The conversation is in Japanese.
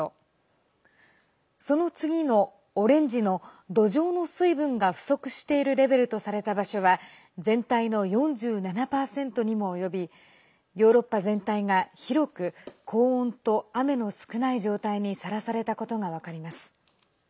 その次の、オレンジの土壌の水分が不足しているレベルとされた場所は全体の４７％にもおよびヨーロッパ全体が広く高温と雨の少ない状態にさらされたことが分かります。